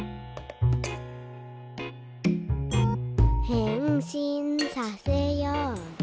「へんしんさせようぜ」